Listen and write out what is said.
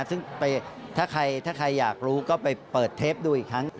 ซึ่งถ้าใครอยากรู้ก็ไปเปิดเทปดูอีกครั้ง